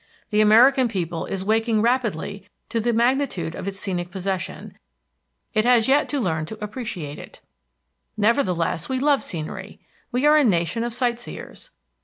The American people is waking rapidly to the magnitude of its scenic possession; it has yet to learn to appreciate it. Nevertheless we love scenery. We are a nation of sightseers.